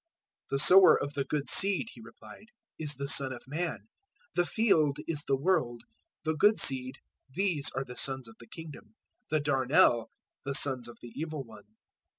013:037 "The sower of the good seed," He replied, "is the Son of Man; 013:038 the field is the world; the good seed these are the sons of the Kingdom; the darnel, the sons of the Evil one.